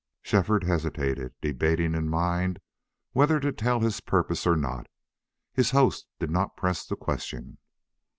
Shefford hesitated, debating in mind whether to tell his purpose or not. His host did not press the question.